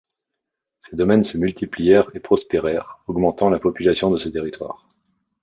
Ces domaines se multiplièrent et prospérèrent, augmentant la population de ce territoire.